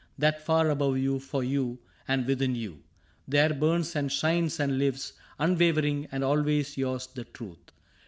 That far above you, for you, and within you, * There burns and shines and lives, unwavering And always yours, the truth.